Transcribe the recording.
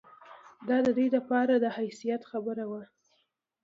دا د دوی لپاره د حیثیت خبره وه.